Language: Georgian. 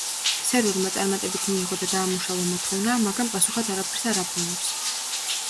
სერვერმა წარმატებით მიიღო და დაამუშავა მოთხოვნა, მაგრამ პასუხად არაფერს არ აბრუნებს.